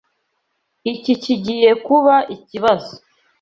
Iki kigiye kuba ikibazo.